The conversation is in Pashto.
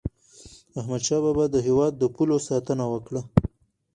احمد شاه بابا د هیواد د پولو ساتنه وکړه.